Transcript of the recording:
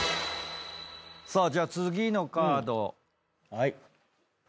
さあじゃあ次のカード。